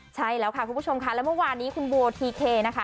ใช่แล้วค่ะคุณผู้ชมค่ะและเมื่อวานนี้คุณโบทีเคนะคะ